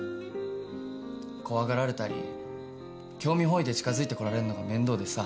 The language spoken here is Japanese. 怖がられたり興味本位で近づいて来られんのが面倒でさ。